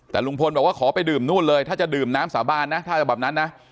แต่ลุงพลบอกว่าขอไปดื่มนู่นเลยถ้าจะดื่มน้ำสาบานนะถ้าจะแบบนั้นนะ